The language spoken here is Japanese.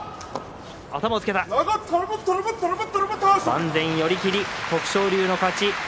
万全、寄り切り徳勝龍の勝ち